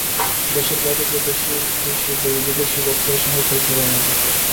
দেশের বাইরে গিয়ে বেশি বেশি বিদেশি বক্সারের সঙ্গে খেলতে হবে আমাদের।